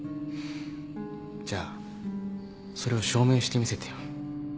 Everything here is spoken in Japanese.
じゃあそれを証明してみせてよ。